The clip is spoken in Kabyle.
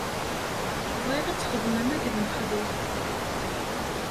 Bɣiɣ ad txedmem akked Mexluf.